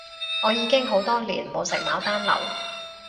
我已經好多年冇食牡丹樓